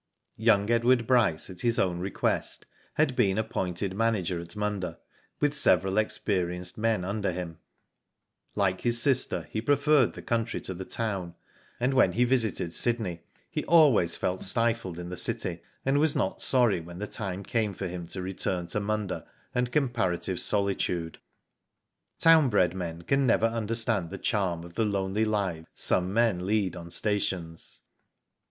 Young Edward Bryce, at his own request, had been appointed manager at Munda, with several experienced men under him. Like his sister he preferred the country to the town, and when he visited Sydney he always felt stifled in the city and was not sorry when the Digitized by Google MUNDA. 39 time came for him to return to Munda and com parative solitude. Town bred men can never understand the charm of the lonely lives some men lead on stations.